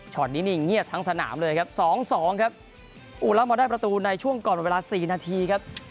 นี้นี่เงียบทั้งสนามเลยครับสองสองครับอู่แล้วมาได้ประตูในช่วงก่อนเวลาสี่นาทีครับ